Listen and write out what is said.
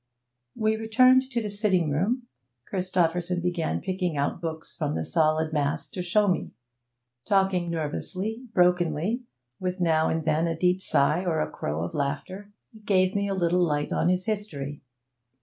We returned to the sitting room, Christopherson began picking out books from the solid mass to show me. Talking nervously, brokenly, with now and then a deep sigh or a crow of laughter, he gave me a little light on his history.